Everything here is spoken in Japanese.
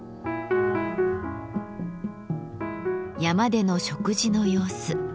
山での食事の様子。